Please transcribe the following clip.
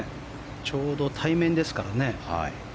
ちょうど対面ですからね。